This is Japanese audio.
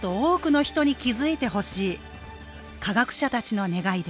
科学者たちの願いです